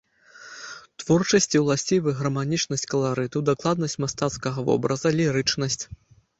Творчасці ўласцівы гарманічнасць каларыту, дакладнасць мастацкага вобраза, лірычнасць.